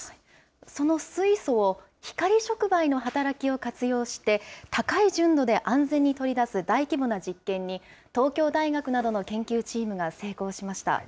その水素を光触媒の働きを活用して、高い純度で安全に取り出す大規模な実験に、東京大学などの研究チームが成功しました。